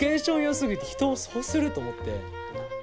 すぎて人をそうすると思って。